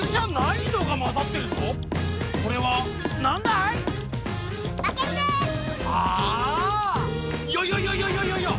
いやいやいやいやいやいやいや！